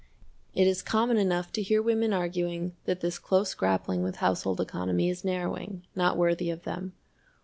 It is common enough to hear women arguing that this close grappling with household economy is narrowing, not worthy of them.